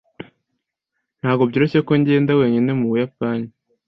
Ntabwo byoroshye ko ngenda wenyine mu Buyapani.